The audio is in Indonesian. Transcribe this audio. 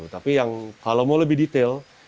tapi yang kalau mau lebih detail